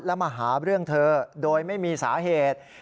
แล้วมาหาเรื่องเธอโดยไม่มีสาเหตุ